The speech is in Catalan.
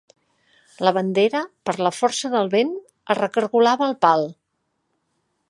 La bandera, per la força del vent, es recargolava al pal.